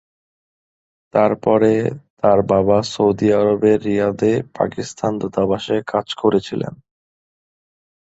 তারপরে, তার বাবা সৌদি আরবের রিয়াদে পাকিস্তান দূতাবাসে কাজ করেছিলেন।